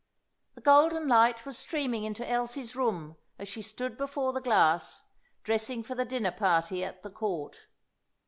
The golden light was streaming into Elsie's room as she stood before the glass, dressing for the dinner party at the Court.